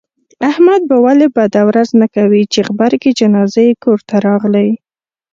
احمد به ولې بده ورځ نه کوي، چې غبرگې جنازې یې کورته راغلې.